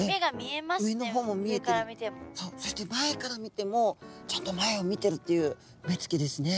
そして前から見てもちゃんと前を見てるという目つきですね。